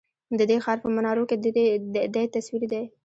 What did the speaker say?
ددې ښار په منارو کی دی تصوير دی